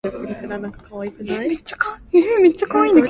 你有一張新訂單呀